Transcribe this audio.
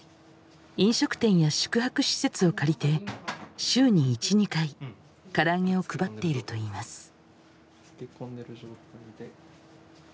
飲食店や宿泊施設を借りて週に１２回からあげを配っているといいます。